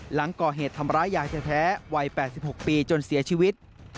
หลังก่อเหตุทำร้ายยายแท้วัย๘๖ปีจนเสียชีวิต